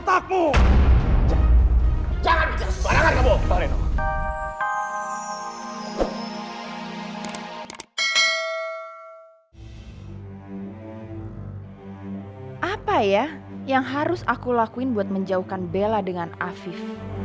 apa ya yang harus aku lakuin buat menjauhkan bella dengan afif